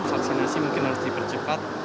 vaksinasi mungkin harus dipercepat